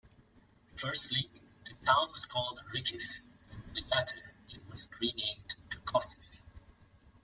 Firstly, the town was called Rykiv, and only latter it was renamed to Kosiv.